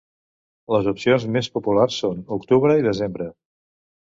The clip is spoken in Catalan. Les opcions més populars són octubre i desembre.